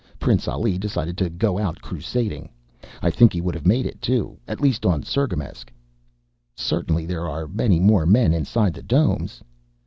Prince Ali decided to go out crusading. I think he would have made it too at least on Cirgamesç." "Certainly there are many more men inside the domes...."